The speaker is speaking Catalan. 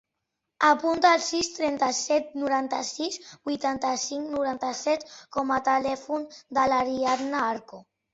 Apunta el sis, trenta-set, noranta-sis, vuitanta-cinc, noranta-set com a telèfon de l'Arianna Arco.